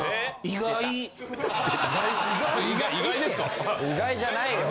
・意外じゃないよ。